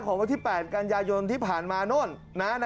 ของวัคพี่แปดการยายนที่ผ่านมาโน่น